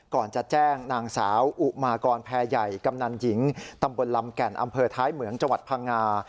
ก่อนจะแจ้งนางสาวอุมากรแพรใหญ่กำนันหญิงตำบลลำแก่นอำเภอท้ายเหมืองจังหวัดพังงา